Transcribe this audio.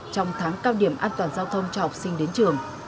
trong tháng cao điểm an toàn giao thông cho học sinh đến trường